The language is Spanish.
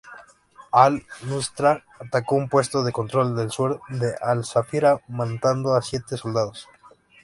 Al-Nusra atacó un puesto de control al sur de Al-Safira, matando a siete soldados.